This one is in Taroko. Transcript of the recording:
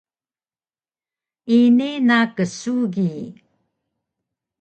ini na ksugi